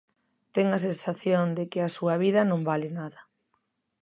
Ten a sensación de que a súa vida non vale nada.